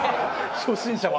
初心者は？